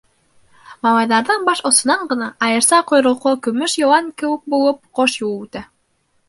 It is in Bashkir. Малайҙарҙың баш осонан ғына, айырса ҡойроҡло көмөш йылан кеүек булып, Ҡош Юлы үтә.